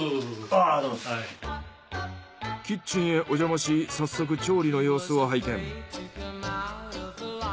キッチンへおじゃまし早速調理の様子を拝見。